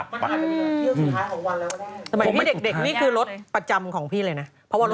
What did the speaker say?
หรือว่าให้ห้อยเอาแม่